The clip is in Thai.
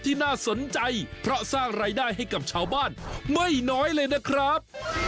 น่าสนใจเพราะสร้างรายได้ให้กับชาวบ้านไม่น้อยเลยนะครับ